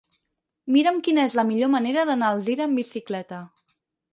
Mira'm quina és la millor manera d'anar a Alzira amb bicicleta.